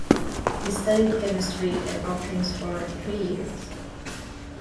He studied chemistry at Hopkins for three years.